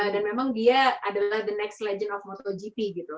dan memang dia adalah the next legend of motogp gitu